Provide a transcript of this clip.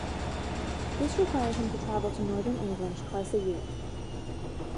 This required him to travel to Northern England twice a year.